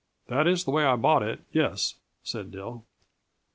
"That is the way I bought it, yes," said Dill.